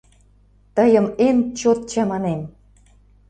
Тыйым эн чот чаманем.